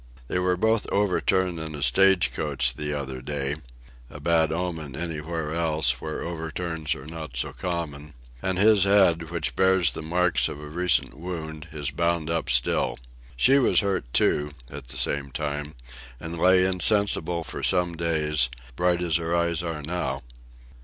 They were both overturned in a stage coach the other day (a bad omen anywhere else, where overturns are not so common), and his head, which bears the marks of a recent wound, is bound up still. She was hurt too, at the same time, and lay insensible for some days; bright as her eyes are, now.